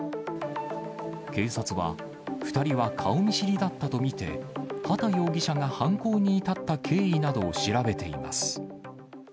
警察は、２人は顔見知りだったと見て、秦容疑者が犯行に至った経緯などを調べています。